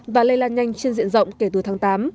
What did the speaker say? và lây lan nhanh trên diện rộng kể từ tháng tám